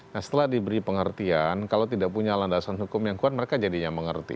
nah setelah diberi pengertian kalau tidak punya landasan hukum yang kuat mereka jadinya mengerti